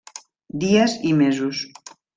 Dies i mesos.